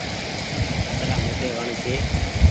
اترآ موٽي وڻ ڇي